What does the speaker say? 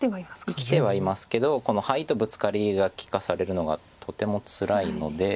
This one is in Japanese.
生きてはいますけどこのハイとブツカリが利かされるのがとてもつらいので。